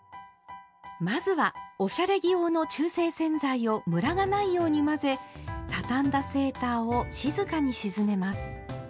まずはおしゃれ着用の中性洗剤をムラがないように混ぜたたんだセーターを静かに沈めます。